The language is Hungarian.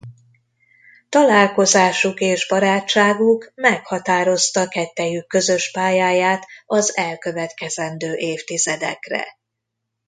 Találkozásuk és barátságuk meghatározta kettejük közös pályáját az elkövetkezendő évtizedekre.